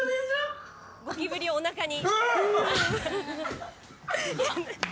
ゴキブリをお腹に。